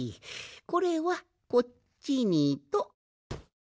これはこっちにと。